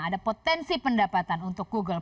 ada potensi pendapatan untuk google